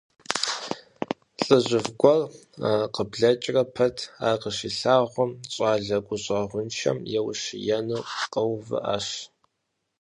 ЛӀыжьыфӀ гуэр, къыблэкӀрэ пэт ар къыщилъагъум, щӀалэ гущӀэгъуншэм еущиену къэувыӀащ.